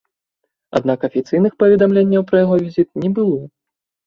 Аднак афіцыйных паведамленняў пра яго візіт не было.